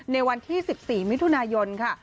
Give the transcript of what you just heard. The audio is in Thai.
ในวันที่๑๔มิถุนายนค่ะ